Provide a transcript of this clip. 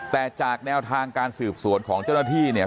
แต่จากแนวทางการสืบสวนของเจ้าหน้าที่เนี่ย